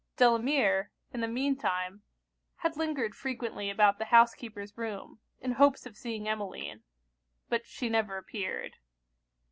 Delamere, in the mean time, had lingered frequently about the housekeeper's room, in hopes of seeing Emmeline; but she never appeared.